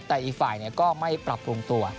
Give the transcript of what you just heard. แต่อีกฝ่ายก็ไม่ปรับปรุงตัว